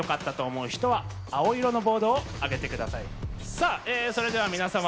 さあそれでは皆様。